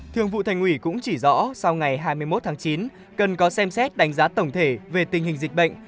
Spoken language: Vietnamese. thường vụ thành ủy cũng chỉ rõ sau ngày hai mươi một tháng chín cần có xem xét đánh giá tổng thể về tình hình dịch bệnh